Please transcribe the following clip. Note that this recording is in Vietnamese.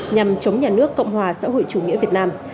nhằm chống nhà nước cộng hòa xã hội chủ nghĩa việt nam